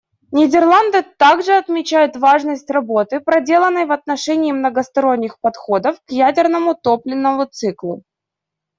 Нидерланды также отмечают важность работы, проделанной в отношении многосторонних подходов к ядерному топливному циклу.